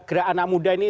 gerak anak muda ini